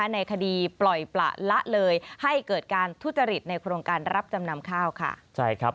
ในคดีปล่อยประละเลยให้เกิดการทุจริตในโครงการรับจำนำข้าวค่ะ